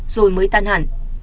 rồi mới tan hẳn